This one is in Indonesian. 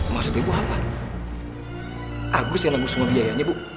maksud ibu apa agus yang nanggu semua biayanya bu